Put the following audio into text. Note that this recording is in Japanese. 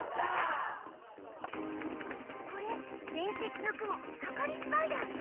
これ伝説のクモはかりスパイダーよ。